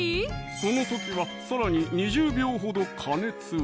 その時はさらに２０秒ほど加熱を！